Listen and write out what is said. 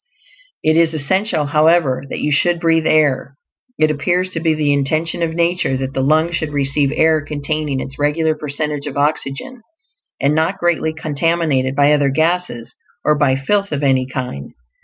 It is essential, however, that you should breathe AIR. It appears to be the intention of nature that the lungs should receive air containing its regular percentage of oxygen, and not greatly contaminated by other gases, or by filth of any kind.